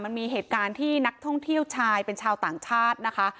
มันมีเหตุการณ์ที่นักท่องเที่ยวชายเป็นชาวต่างชาตินะคะ